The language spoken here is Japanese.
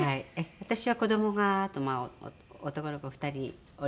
私は子どもがあと男の子２人おりますので。